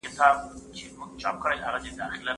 املا د شخصیت په جوړولو کي رول لري.